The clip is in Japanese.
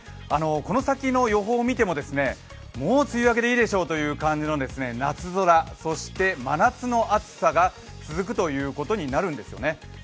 この先の予報を見ても、もう梅雨明けでいいでしょうという感じの夏空、そして真夏の暑さが続くことになるんですよね。